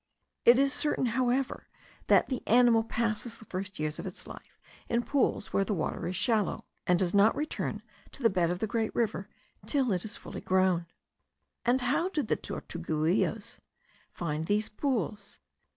It is certain, however, that the animal passes the first years of its life in pools where the water is shallow, and does not return to the bed of the great river till it is full grown. How then do the tortuguillos find these pools?